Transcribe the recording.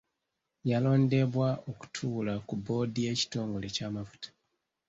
Yalondebwa okutuula ku bboodi y’ekitongole ky’amafuta.